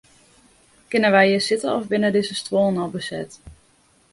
Kinne wy hjir sitte of binne dizze stuollen al beset?